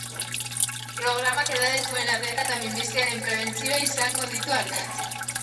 Programak edadetuen arreta eta minbiziaren prebentzioa izango ditu ardatz.